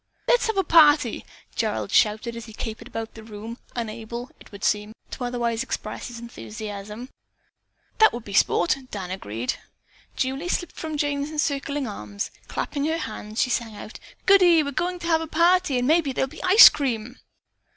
"Let's have a party!" Gerald shouted as he capered about the room unable, it would seem, to otherwise express his enthusiasm. "That would be sport!" Dan agreed. Julie slipped from Jane's encircling arm. Clapping her hands, she sang out: "Goodie! We're going to have a party and maybe there'll be ice cream."